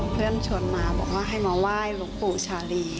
เพื่อนโชนะคะผมให้มาไว้ลูกปู่ชาลี